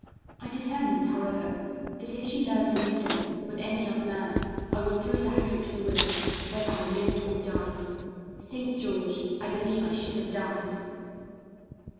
I determined, however, that if she learned the new dance with any other man I would throw that hope to the winds, whether I lived or died. St. George! I believe I should have died.